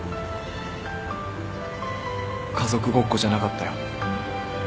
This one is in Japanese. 家族ごっこじゃなかったよ。